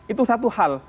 itu satu hal